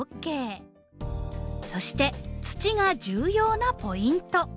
そして土が重要なポイント。